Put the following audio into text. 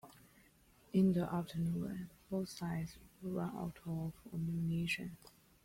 In the afternoon, both sides ran out of ammunition.